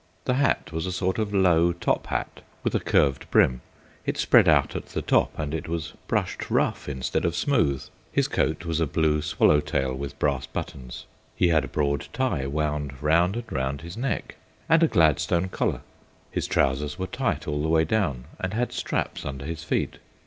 The hat was a sort of low top hat, with a curved brim; it spread out at the top and it was brushed rough instead of smooth. His coat was a blue swallow tail with brass buttons. He had a broad tie wound round and round his neck, and a Gladstone collar. His trousers were tight all the way down and had straps under his feet.